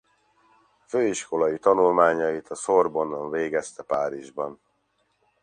Főiskolai tanulmányait a Sorbonne-on végezte Párizsban.